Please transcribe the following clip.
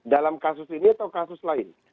dalam kasus ini atau kasus lain